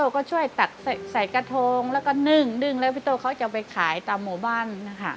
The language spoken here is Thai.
กระโทงแล้วก็นึ่งแล้วพี่โตเขาจะไปขายตามหมู่บ้าน